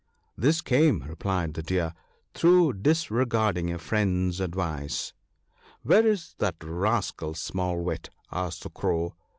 " This came," replied the Deer, " through disregarding a friend's advice." " Where is that rascal Small wit ?" asked the Crow.